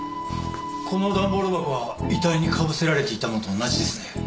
この段ボール箱は遺体にかぶせられていたものと同じですね。